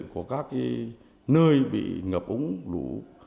của các nơi bị ngập úng lũ